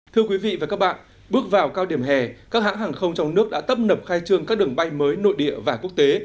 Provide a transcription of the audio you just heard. thưa quý vị và các bạn bước vào cao điểm hè các hãng hàng không trong nước đã tấp nập khai trương các đường bay mới nội địa và quốc tế